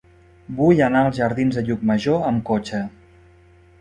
Vull anar als jardins de Llucmajor amb cotxe.